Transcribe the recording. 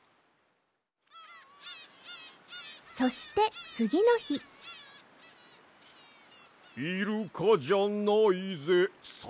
そしてつぎのひ「イルカじゃないぜさめなのさ」